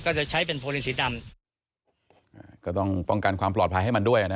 จะใช้เป็นโพลินสีดำอ่าก็ต้องป้องกันความปลอดภัยให้มันด้วยนะ